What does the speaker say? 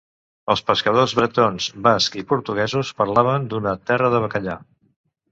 Els pescadors bretons, bascs i portuguesos parlaven d'una "terra de bacallà".